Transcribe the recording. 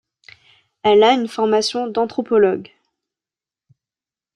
Elle a une formation d'anthropologue.